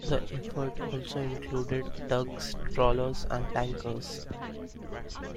The effort also included tugs, trawlers, and tankers.